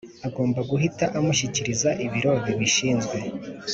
agomba guhita amushyikiriza ibiro bibishinzwe